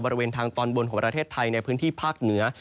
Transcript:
บริเวณทางตอนบนของประเทศไทยในพื้นที่ภาคเหนือ